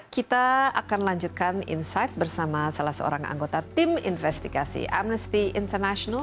kita akan lanjutkan insight bersama salah seorang anggota tim investigasi amnesty international